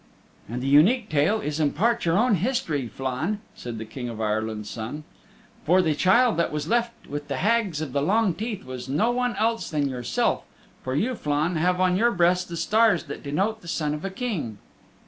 "And the Unique Tale is in part your own history, Flann," said the King of Ireland's Son, "for the child that was left with the Hags of the Long Teeth was no one else than yourself, for you, Flann, have on your breast the stars that denote the Son of a King."